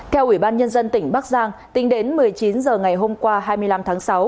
theo ủy ban nhân dân tỉnh bắc giang tính đến một mươi chín h ngày hôm qua hai mươi năm tháng sáu